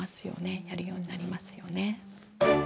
やるようになりますよね。